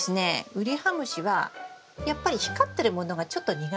ウリハムシはやっぱり光ってるものがちょっと苦手なんですよ。